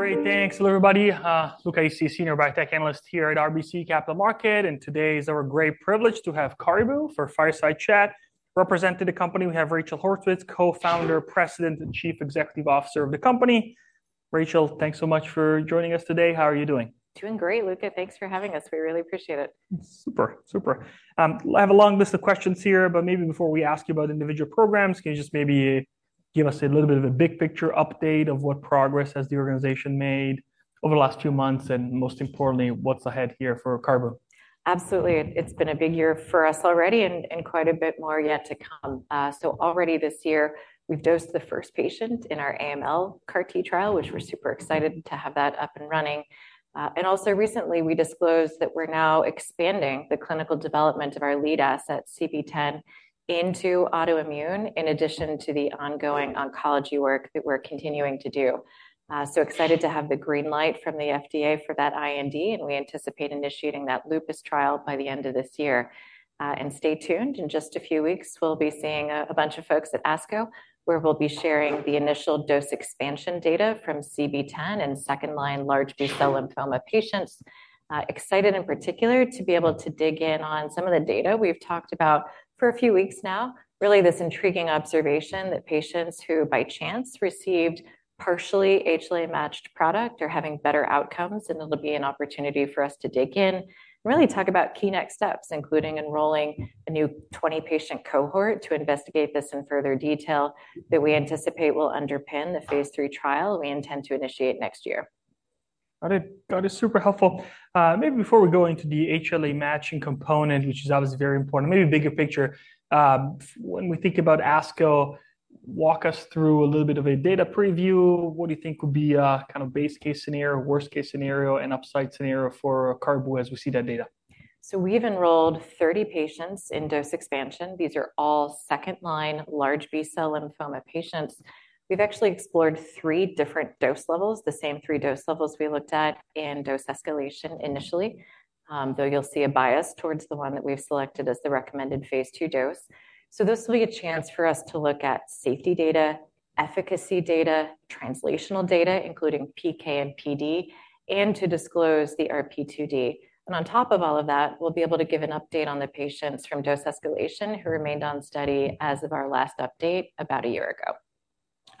Great, thanks everybody. Luca is a senior biotech analyst here at RBC Capital Markets, and today is our great privilege to have Caribou for Fireside Chat. Representing the company, we have Rachel Haurwitz, co-founder, President, and Chief Executive Officer of the company. Rachel, thanks so much for joining us today. How are you doing? Doing great, Luca. Thanks for having us. We really appreciate it. Super, super. I have a long list of questions here, but maybe before we ask you about individual programs, can you just maybe give us a little bit of a big picture update of what progress has the organization made over the last few months, and most importantly, what's ahead here for Caribou. Absolutely, it's been a big year for us already and quite a bit more yet to come. So already this year we've dosed the first patient in our AML CAR-T trial, which we're super excited to have that up and running. And also recently we disclosed that we're now expanding the clinical development of our lead asset CB-010 into autoimmune in addition to the ongoing oncology work that we're continuing to do. So excited to have the green light from the FDA for that IND, and we anticipate initiating that lupus trial by the end of this year. And stay tuned; in just a few weeks we'll be seeing a bunch of folks at ASCO where we'll be sharing the initial dose expansion data from CB-010 and second-line large B-cell lymphoma patients. Excited in particular to be able to dig in on some of the data we've talked about for a few weeks now, really this intriguing observation that patients who by chance received partially HLA-matched product are having better outcomes, and it'll be an opportunity for us to dig in and really talk about key next steps including enrolling a new 20-patient cohort to investigate this in further detail that we anticipate will underpin the phase three trial we intend to initiate next year. That is super helpful. Maybe before we go into the HLA matching component, which is obviously very important, maybe bigger picture, when we think about ASCO, walk us through a little bit of a data preview. What do you think would be a kind of base case scenario, worst case scenario, and upside scenario for Caribou as we see that data. So we've enrolled 30 patients in dose expansion, these are all second-line large B-cell lymphoma patients. We've actually explored three different dose levels, the same three dose levels we looked at in dose escalation initially, though you'll see a bias towards the one that we've selected as the recommended phase 2 dose. So this will be a chance for us to look at safety data, efficacy data, translational data including PK and PD, and to disclose the RP2D. And on top of all of that we'll be able to give an update on the patients from dose escalation who remained on study as of our last update about a year ago.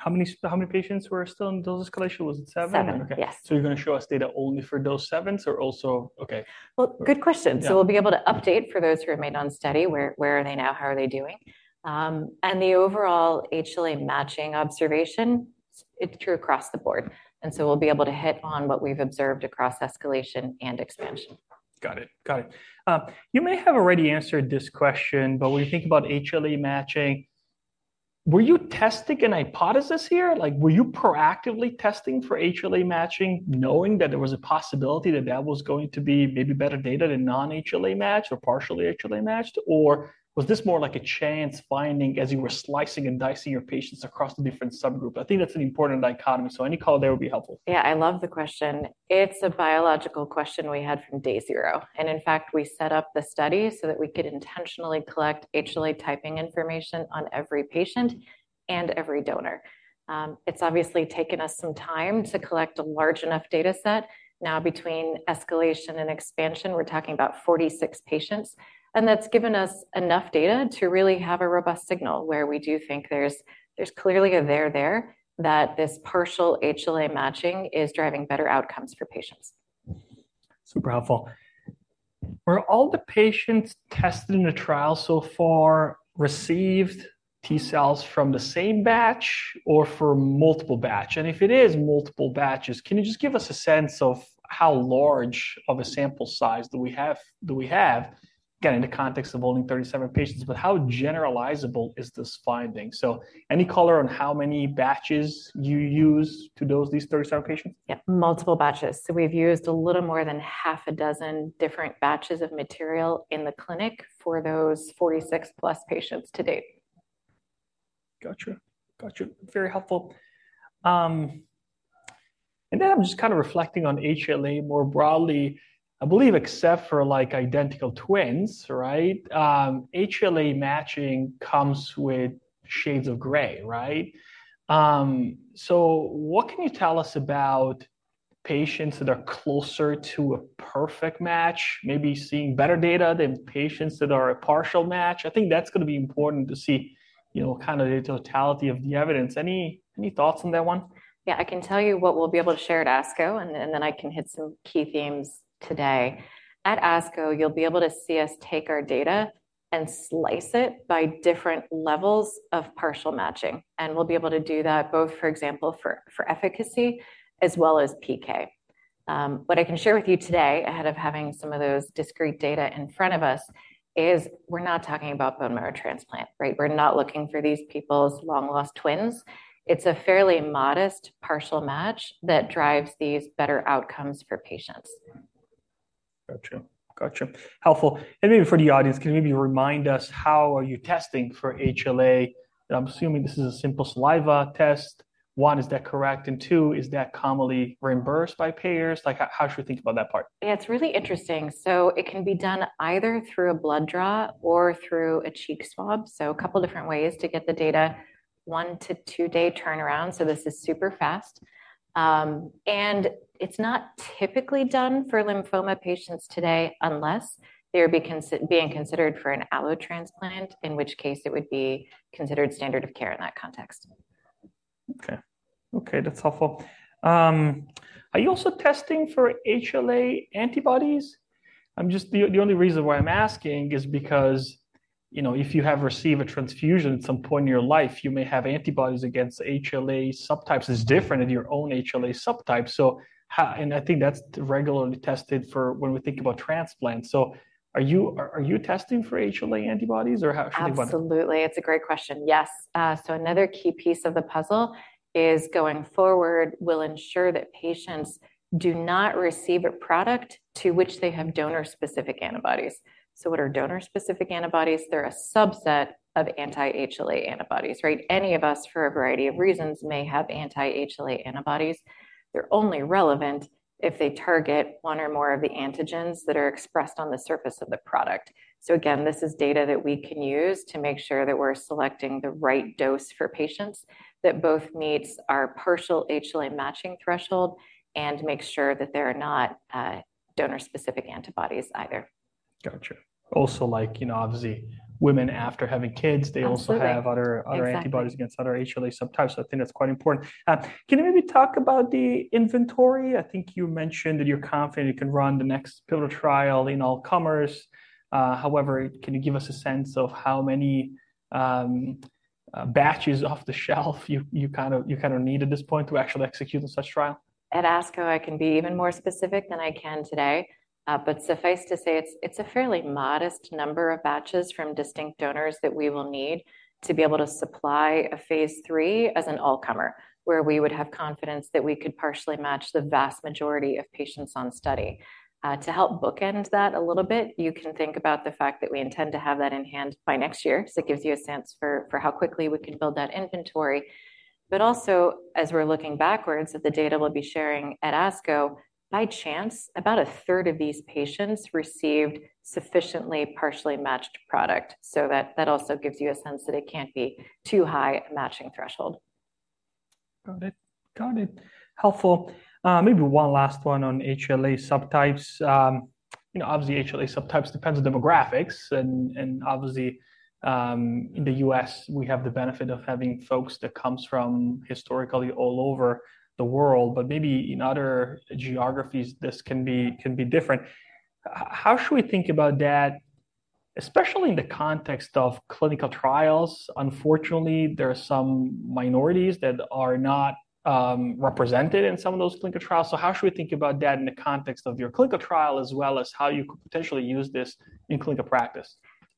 How many patients were still in dose escalation? Was it seven? Seven yes. Okay, so you're going to show us data only for dose 7 or also? Okay. Well, good question. So we'll be able to update for those who remained on study where they are now, how they are doing. And the overall HLA matching observation, it's true across the board, and so we'll be able to hit on what we've observed across escalation and expansion. Got it, got it. You may have already answered this question, but when you think about HLA matching, were you testing a hypothesis here? Like, were you proactively testing for HLA matching, knowing that there was a possibility that that was going to be maybe better data than non-HLA matched or partially HLA matched? Or was this more like a chance finding as you were slicing and dicing your patients across the different subgroup? I think that's an important dichotomy, so any call there would be helpful. Yeah, I love the question. It's a biological question we had from day zero, and in fact we set up the study so that we could intentionally collect HLA typing information on every patient and every donor. It's obviously taken us some time to collect a large enough data set. Now between escalation and expansion we're talking about 46 patients, and that's given us enough data to really have a robust signal where we do think there's clearly a there there that this partial HLA matching is driving better outcomes for patients. Super helpful. Are all the patients tested in the trial so far received T cells from the same batch or for multiple batch and if it is multiple batches can you just give us a sense of how large of a sample size do we have do we have again in the context of only 37 patients but how generalizable is this finding so any color on how many batches you use to dose these 37 patients? Yeah, multiple batches, so we've used a little more than 6 different batches of material in the clinic for those 46+ patients to date. Gotcha, gotcha, very helpful. And then I'm just kind of reflecting on HLA more broadly. I believe except for like identical twins, right, HLA matching comes with shades of gray, right. So what can you tell us about patients that are closer to a perfect match, maybe seeing better data than patients that are a partial match? I think that's going to be important to see, you know, kind of the totality of the evidence. Any, any thoughts on that one. Yeah, I can tell you what we'll be able to share at ASCO, and then I can hit some key themes today. At ASCO, you'll be able to see us take our data and slice it by different levels of partial matching, and we'll be able to do that both, for example, for efficacy as well as PK. What I can share with you today ahead of having some of those discrete data in front of us is we're not talking about bone marrow transplant, right? We're not looking for these people's long lost twins. It's a fairly modest partial match that drives these better outcomes for patients. Gotcha, gotcha. Helpful. And maybe for the audience, can you maybe remind us how are you testing for HLA? And I'm assuming this is a simple saliva test. One, is that correct? And two, is that commonly reimbursed by payers? Like, how should we think about that part? Yeah, it's really interesting, so it can be done either through a blood draw or through a cheek swab, so a couple different ways to get the data, 1-2 day turnaround, so this is super fast. And it's not typically done for lymphoma patients today unless they are being considered for an allotransplant, in which case it would be considered standard of care in that context. Okay, okay, that's helpful. Are you also testing for HLA antibodies? I'm just the only reason why I'm asking is because, you know, if you have received a transfusion at some point in your life, you may have antibodies against HLA subtypes is different than your own HLA subtype, so how and I think that's regularly tested for when we think about transplant, so are you are you testing for HLA antibodies or how should we think about it. Absolutely, it's a great question. Yes, so another key piece of the puzzle is going forward we'll ensure that patients do not receive a product to which they have donor-specific antibodies. So what are donor-specific antibodies? They're a subset of anti-HLA antibodies, right? Any of us for a variety of reasons may have anti-HLA antibodies. They're only relevant if they target one or more of the antigens that are expressed on the surface of the product. So again, this is data that we can use to make sure that we're selecting the right dose for patients that both meets our partial HLA matching threshold and make sure that they're not donor-specific antibodies either. Gotcha, also like you know obviously women after having kids they also have other antibodies against other HLA subtypes so I think that's quite important. Can you maybe talk about the inventory? I think you mentioned that you're confident you can run the next pivotal trial in allogeneic; however, can you give us a sense of how many batches off the shelf you kind of need at this point to actually execute on such trial. At ASCO I can be even more specific than I can today, but suffice to say it's a fairly modest number of batches from distinct donors that we will need to be able to supply a phase 3 as an all-comer where we would have confidence that we could partially match the vast majority of patients on study. To help bookend that a little bit, you can think about the fact that we intend to have that in hand by next year so it gives you a sense for how quickly we can build that inventory. But also as we're looking backwards at the data we'll be sharing at ASCO, by chance about a third of these patients received sufficiently partially matched product so that also gives you a sense that it can't be too high a matching threshold. Got it, got it. Helpful. Maybe one last one on HLA subtypes, you know, obviously HLA subtypes depends on demographics and obviously in the U.S. we have the benefit of having folks that comes from historically all over the world but maybe in other geographies this can be different. How should we think about that especially in the context of clinical trials? Unfortunately there are some minorities that are not represented in some of those clinical trials so how should we think about that in the context of your clinical trial as well as how you could potentially use this in clinical practice.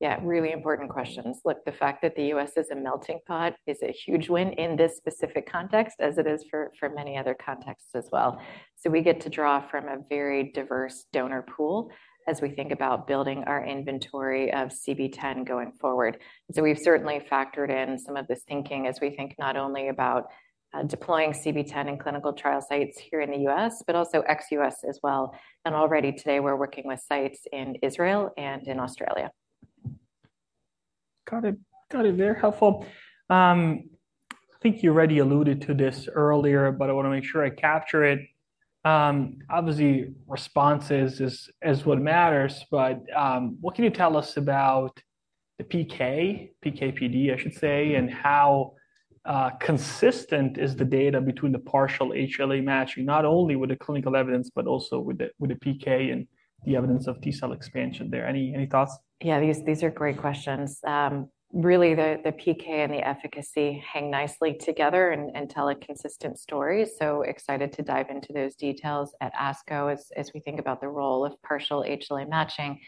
Yeah, really important questions. Look, the fact that the U.S. is a melting pot is a huge win in this specific context, as it is for many other contexts as well. So we get to draw from a very diverse donor pool as we think about building our inventory of CB-010 going forward. So we've certainly factored in some of this thinking as we think not only about deploying CB-010 in clinical trial sites here in the U.S. but also ex-U.S. as well, and already today we're working with sites in Israel and in Australia. Got it, got it, very helpful. I think you already alluded to this earlier, but I want to make sure I capture it. Obviously, responses is what matters, but what can you tell us about the PK, PKPD, I should say, and how consistent is the data between the partial HLA matching not only with the clinical evidence but also with the PK and the evidence of T cell expansion? There any thoughts? Yeah, these are great questions. Really, the PK and the efficacy hang nicely together and tell a consistent story, so excited to dive into those details at ASCO as we think about the role of partial HLA matching.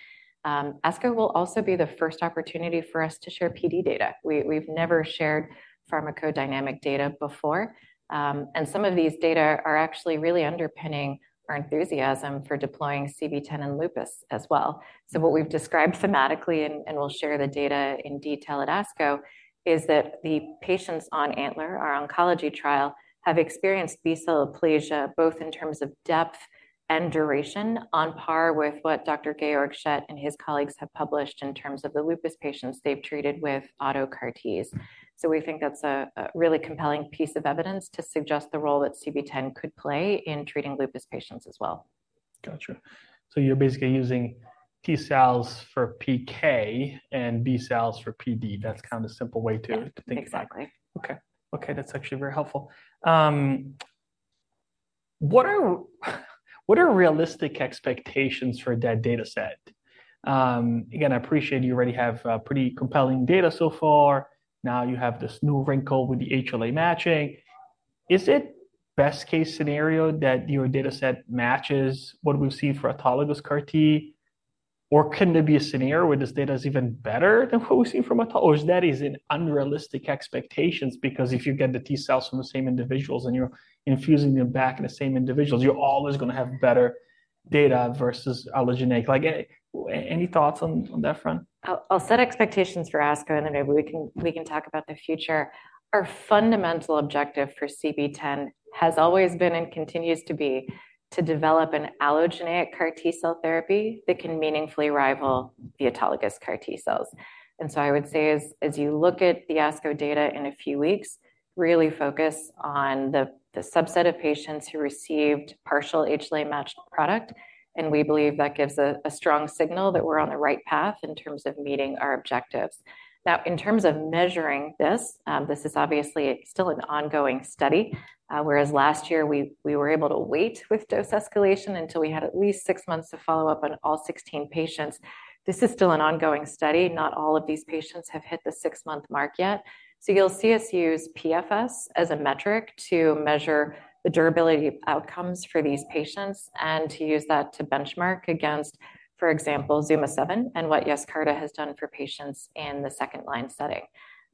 ASCO will also be the first opportunity for us to share PD data. We've never shared pharmacodynamic data before, and some of these data are actually really underpinning our enthusiasm for deploying CB-010 in lupus as well. So what we've described thematically and we'll share the data in detail at ASCO is that the patients on ANTLER, our oncology trial, have experienced B-cell aplasia both in terms of depth and duration on par with what Dr. Georg Schett and his colleagues have published in terms of the lupus patients they've treated with auto-CARs So we think that's a really compelling piece of evidence to suggest the role that CB-010 could play in treating lupus patients as well. Gotcha, so you're basically using T cells for PK and B cells for PD. That's kind of a simple way to think about it. Exactly. Okay, okay, that's actually very helpful. What are what are realistic expectations for that data set? Again, I appreciate you already have a pretty compelling data so far. Now you have this new wrinkle with the HLA matching. Is it best case scenario that your data set matches what we've seen for autologous CAR-T or can there be a scenario where this data is even better than what we've seen from or is that is in unrealistic expectations because if you get the T cells from the same individuals and you're infusing them back in the same individuals you're always going to have better data versus allogeneic like any thoughts on on that front. I'll set expectations for ASCO and then maybe we can talk about the future. Our fundamental objective for CB-010 has always been and continues to be to develop an allogeneic CAR-T cell therapy that can meaningfully rival the autologous CAR-T cells. And so I would say as you look at the ASCO data in a few weeks, really focus on the subset of patients who received partial HLA matched product and we believe that gives a strong signal that we're on the right path in terms of meeting our objectives. Now in terms of measuring this, this is obviously still an ongoing study, whereas last year we were able to wait with dose escalation until we had at least six months to follow up on all 16 patients. This is still an ongoing study. Not all of these patients have hit the six-month mark yet. So you'll see us use PFS as a metric to measure the durability outcomes for these patients and to use that to benchmark against, for example, ZUMA-7 and what YESCARTA has done for patients in the second-line setting.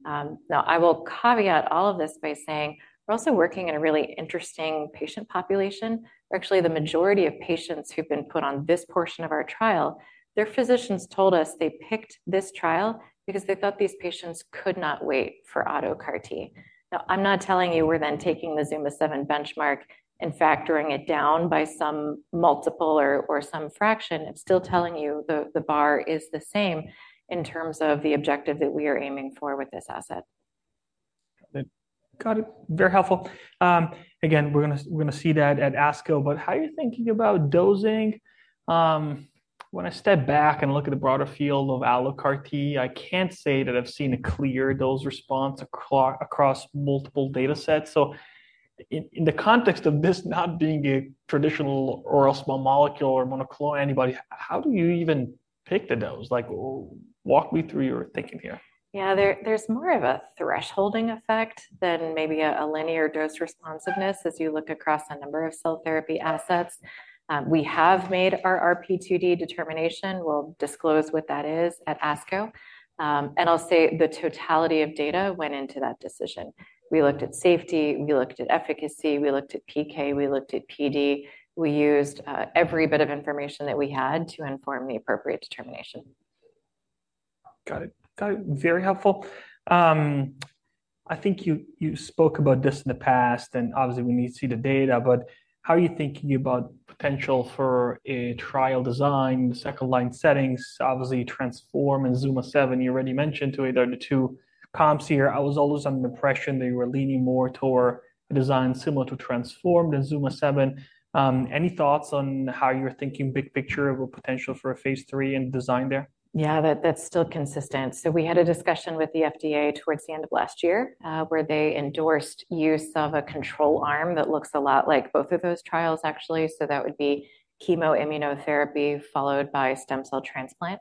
Now I will caveat all of this by saying we're also working in a really interesting patient population. Actually, the majority of patients who've been put on this portion of our trial, their physicians told us they picked this trial because they thought these patients could not wait for autocars. Now, I'm not telling you we're then taking the ZUMA-7 benchmark and factoring it down by some multiple or some fraction. I'm still telling you the bar is the same in terms of the objective that we are aiming for with this asset. Got it, very helpful. Again, we're going to see that at ASCO, but how are you thinking about dosing? When I step back and look at the broader field of allo-CARs, I can't say that I've seen a clear dose response across multiple data sets, so in the context of this not being a traditional oral small molecule or monoclonal antibody, how do you even pick the dose? Like, walk me through your thinking here. Yeah, there's more of a thresholding effect than maybe a linear dose responsiveness as you look across a number of cell therapy assets. We have made our RP2D determination. We'll disclose what that is at ASCO, and I'll say the totality of data went into that decision. We looked at safety. We looked at efficacy. We looked at PK. We looked at PD. We used every bit of information that we had to inform the appropriate determination. Got it, got it, very helpful. I think you spoke about this in the past, and obviously we need to see the data, but how are you thinking about potential for a trial design the second line settings? Obviously TRANSFORM and ZUMA-7 you already mentioned to either the two comps here. I was always under the impression that you were leaning more toward a design similar to TRANSFORM and ZUMA-7. Any thoughts on how you're thinking big picture of a potential for a phase 3 and design there. Yeah, that's still consistent. So we had a discussion with the FDA towards the end of last year where they endorsed use of a control arm that looks a lot like both of those trials, actually. So that would be chemoimmunotherapy followed by stem cell transplant.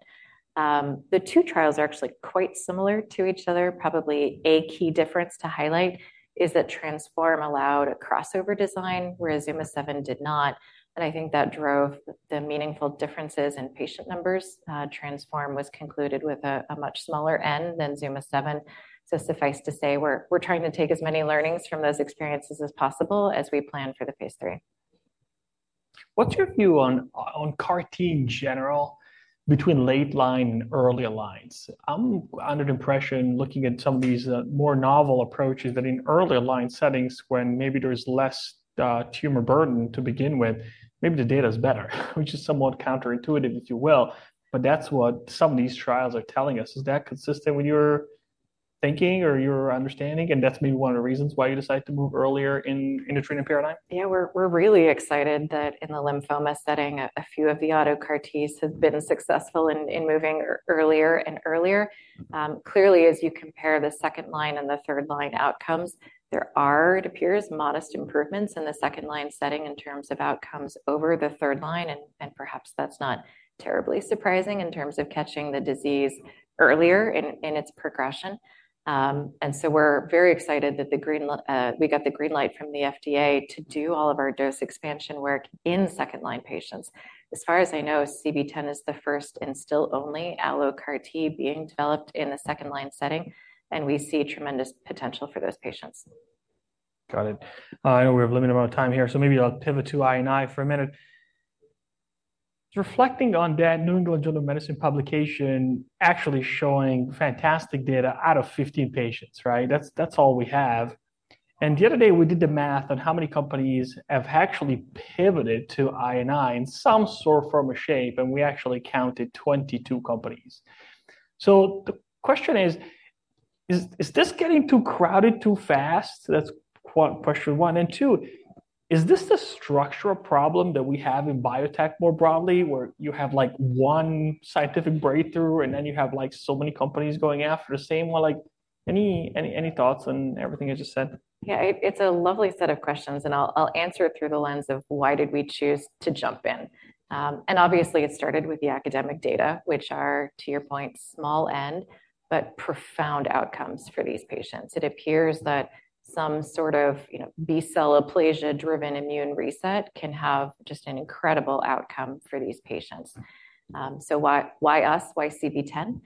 The two trials are actually quite similar to each other. Probably a key difference to highlight is that TRANSFORM allowed a crossover design whereas ZUMA-7 did not, and I think that drove the meaningful differences in patient numbers. TRANSFORM was concluded with a much smaller end than ZUMA-7. So suffice to say, we're trying to take as many learnings from those experiences as possible as we plan for the phase 3. What's your view on CAR-T in general between late line and early line? I'm under the impression looking at some of these more novel approaches that in early line settings when maybe there's less tumor burden to begin with maybe the data is better, which is somewhat counterintuitive if you will, but that's what some of these trials are telling us. Is that consistent with your thinking or your understanding and that's maybe one of the reasons why you decide to move earlier in the treatment paradigm. Yeah, we're really excited that in the lymphoma setting a few of the autocars have been successful in moving earlier and earlier. Clearly, as you compare the second-line and the third-line outcomes, there are, it appears, modest improvements in the second-line setting in terms of outcomes over the third-line, and perhaps that's not terribly surprising in terms of catching the disease earlier in its progression. And so we're very excited that we got the green light from the FDA to do all of our dose expansion work in second-line patients. As far as I know, CB-010 is the first and still only allocars being developed in the second-line setting, and we see tremendous potential for those patients. Got it. I know we have a limited amount of time here, so maybe I'll pivot to I&I for a minute, reflecting on that New England Journal of Medicine publication actually showing fantastic data out of 15 patients, right? That's all we have, and the other day we did the math on how many companies have actually pivoted to I&I in some sort form or shape, and we actually counted 22 companies. So the question is, is this getting too crowded too fast? That's question one, and two is this the structural problem that we have in biotech more broadly where you have like one scientific breakthrough and then you have like so many companies going after the same well, like any thoughts on everything I just said. Yeah, it's a lovely set of questions, and I'll answer it through the lens of why did we choose to jump in. And obviously it started with the academic data, which are, to your point, small n but profound outcomes for these patients. It appears that some sort of, you know, B-cell aplasia driven immune reset can have just an incredible outcome for these patients. So why why us? Why CB-010?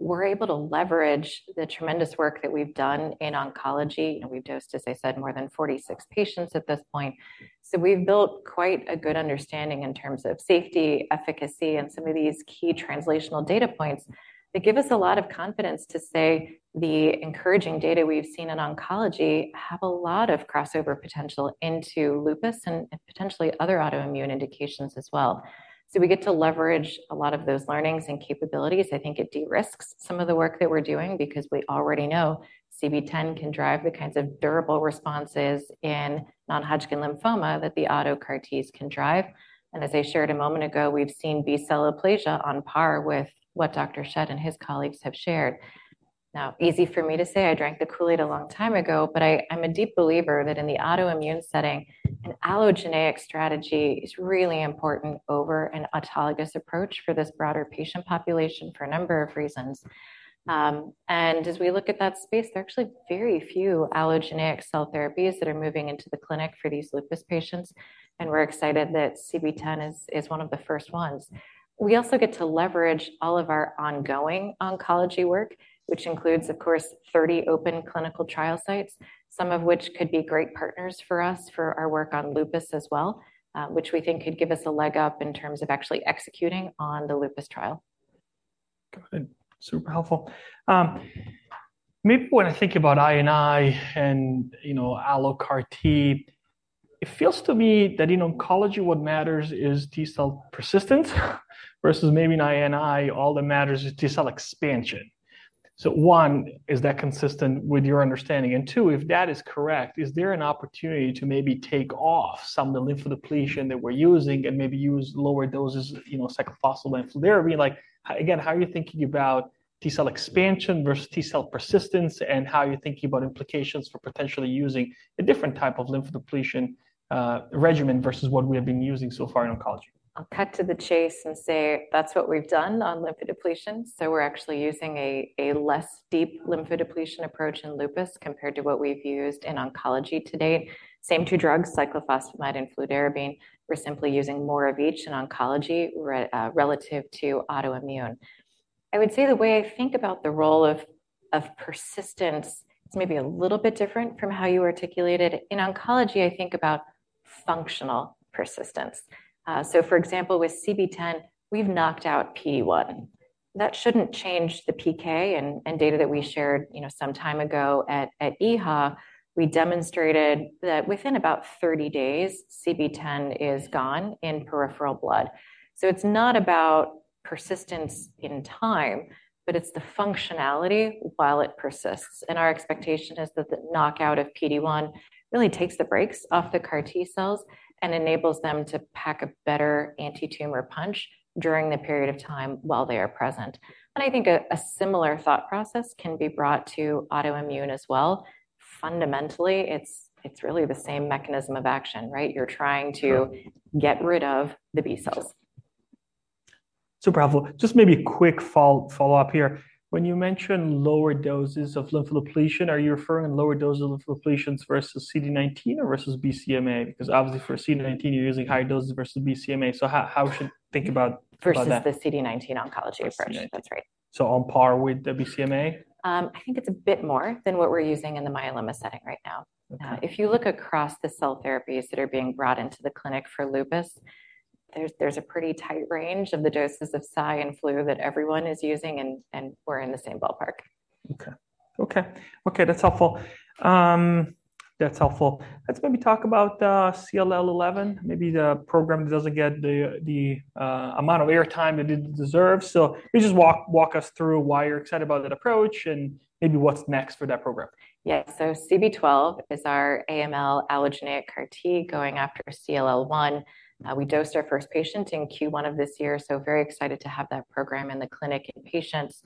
We're able to leverage the tremendous work that we've done in oncology. You know, we've dosed, as I said, more than 46 patients at this point, so we've built quite a good understanding in terms of safety, efficacy, and some of these key translational data points that give us a lot of confidence to say the encouraging data we've seen in oncology have a lot of crossover potential into lupus and potentially other autoimmune indications as well. So we get to leverage a lot of those learnings and capabilities. I think it de-risks some of the work that we're doing because we already know CB-010 can drive the kinds of durable responses in non-Hodgkin lymphoma that the autocars can drive, and as I shared a moment ago, we've seen B-cell aplasia on par with what Dr. Schett and his colleagues have shared. No easy for me to say I drank the Kool-Aid a long time ago but I'm a deep believer that in the autoimmune setting an allogeneic strategy is really important over an autologous approach for this broader patient population for a number of reasons. As we look at that space there are actually very few allogeneic cell therapies that are moving into the clinic for these lupus patients and we're excited that CB-010 is one of the first ones. We also get to leverage all of our ongoing oncology work which includes of course 30 open clinical trial sites some of which could be great partners for us for our work on lupus as well which we think could give us a leg up in terms of actually executing on the lupus trial. Got it, super helpful. Maybe when I think about I&I and you know allo CARs it feels to me that in oncology what matters is T cell persistence versus maybe in I&I all that matters is T cell expansion so one is that consistent with your understanding and two if that is correct is there an opportunity to maybe take off some of the lymphdepletion that we're using and maybe use lower doses you know cyclophosphamide like again how are you thinking about T cell expansion versus T cell persistence and how are you thinking about implications for potentially using a different type of lymphdepletion regimen versus what we have been using so far in oncology. I'll cut to the chase and say that's what we've done on lymphdepletion, so we're actually using a less deep lymphdepletion approach in lupus compared to what we've used in oncology to date. Same two drugs, cyclophosphamide and fludarabine, we're simply using more of each in oncology relative to autoimmune. I would say the way I think about the role of persistence, it's maybe a little bit different from how you articulated it in oncology. I think about functional persistence, so for example with CB10 we've knocked out PD-1. That shouldn't change the PK and data that we shared, you know, some time ago at EHA. We demonstrated that within about 30 days CB10 is gone in peripheral blood, so it's not about persistence in time but it's the functionality while it persists. And our expectation is that the knockout of PD-1 really takes the brakes off the CAR-T cells and enables them to pack a better anti-tumor punch during the period of time while they are present. And I think a similar thought process can be brought to autoimmune as well. Fundamentally, it's really the same mechanism of action, right? You're trying to get rid of the B cells. Super helpful, just maybe a quick follow-up here. When you mention lower doses of lymph depletion, are you referring to lower doses of lymph depletion versus CD19 or versus BCMA? Because obviously for CD19 you're using higher doses versus BCMA, so how should think about both that. Versus the CD19 oncology approach that's right. On par with the BCMA. I think it's a bit more than what we're using in the myeloma setting right now. If you look across the cell therapies that are being brought into the clinic for lupus, there's a pretty tight range of the doses of Cy and flu that everyone is using, and we're in the same ballpark. Okay, that's helpful. That's helpful. Let's maybe talk about CB-011, maybe the program that doesn't get the amount of airtime that it deserves. So maybe just walk us through why you're excited about that approach and maybe what's next for that program. Yeah, so CB-012 is our AML allogeneic CAR-T going after CLL-1. We dosed our first patient in Q1 of this year, so very excited to have that program in the clinic in patients.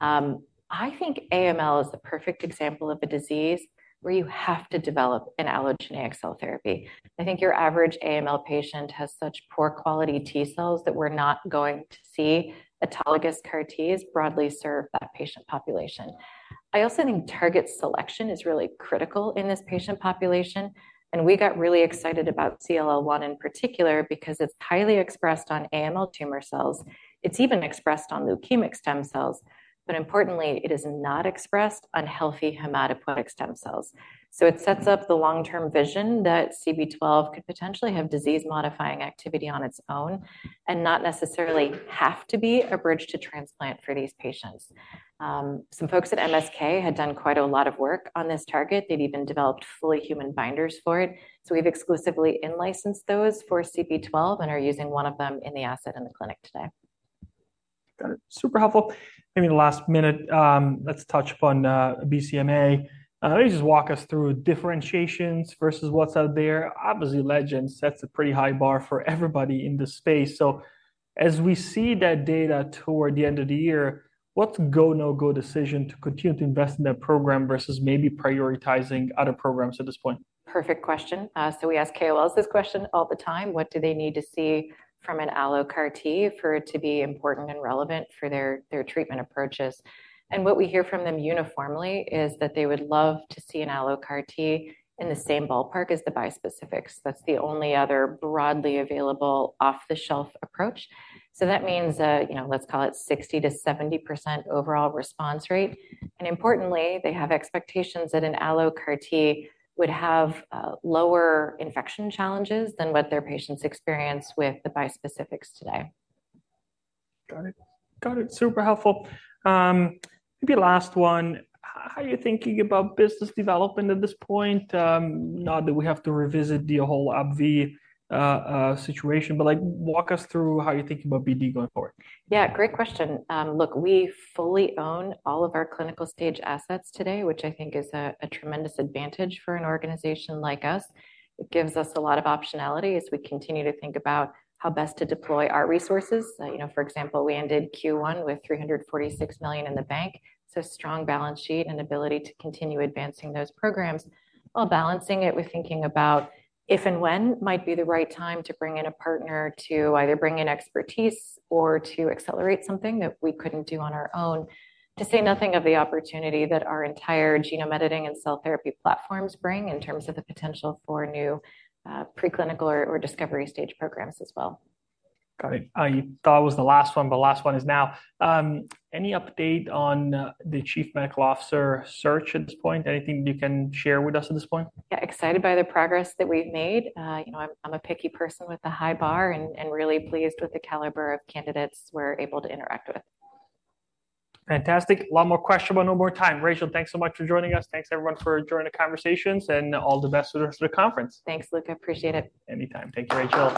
I think AML is the perfect example of a disease where you have to develop an allogeneic cell therapy. I think your average AML patient has such poor quality T cells that we're not going to see autologous CAR-Ts broadly serve that patient population. I also think target selection is really critical in this patient population, and we got really excited about CLL-1 in particular because it's highly expressed on AML tumor cells. It's even expressed on leukemic stem cells, but importantly it is not expressed on healthy hematopoietic stem cells, so it sets up the long-term vision that CB-012 could potentially have disease modifying activity on its own and not necessarily have to be a bridge to transplant for these patients. Some folks at MSK had done quite a lot of work on this target. They'd even developed fully human binders for it, so we've exclusively in-licensed those for CB-012 and are using one of them in the asset in the clinic today. Got it, super helpful. Maybe in the last minute, let's touch upon BCMA. Maybe just walk us through differentiations versus what's out there. Obviously, Legend sets a pretty high bar for everybody in this space, so as we see that data toward the end of the year, what's a go no-go decision to continue to invest in that program versus maybe prioritizing other programs at this point. Perfect question, so we ask KOLs this question all the time. What do they need to see from an allocars for it to be important and relevant for their treatment approaches? And what we hear from them uniformly is that they would love to see an allocars in the same ballpark as the bispecifics. That's the only other broadly available off-the-shelf approach, so that means, you know, let's call it 60%-70% overall response rate. And importantly, they have expectations that an allocars would have lower infection challenges than what their patients experience with the bispecifics today. Got it, got it. Super helpful. Maybe last one: how are you thinking about business development at this point? Not that we have to revisit the whole AbbVie situation, but like, walk us through how you're thinking about BD going forward. Yeah, great question. Look, we fully own all of our clinical stage assets today, which I think is a tremendous advantage for an organization like us. It gives us a lot of optionality as we continue to think about how best to deploy our resources, you know. For example, we ended Q1 with $346 million in the bank, so strong balance sheet and ability to continue advancing those programs while balancing it with thinking about if and when might be the right time to bring in a partner to either bring in expertise or to accelerate something that we couldn't do on our own, to say nothing of the opportunity that our entire genome editing and cell therapy platforms bring in terms of the potential for new preclinical or discovery stage programs as well. Got it. I thought it was the last one, but last one is now any update on the Chief Medical Officer search at this point. Anything you can share with us at this point? Yeah, excited by the progress that we've made, you know. I'm a picky person with a high bar and really pleased with the caliber of candidates we're able to interact with. Fantastic, a lot more questions but no more time. Rachel, thanks so much for joining us. Thanks, everyone, for joining the conversations and all the best with the rest of the conference. Thanks, Luca. I appreciate it. Anytime, thank you, Rachel.